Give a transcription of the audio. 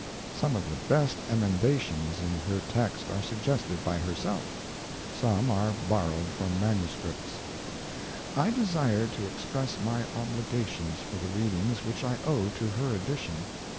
Some of the best emendations in her text are suggested by herself ; some are borrowed from the manuscripts. I desire to express my obligation for the readings which I owe to her edition, notably xxviii INTRODUCTION.